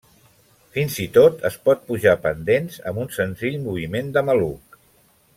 Fins i tot es pot pujar pendents amb un senzill moviment de maluc.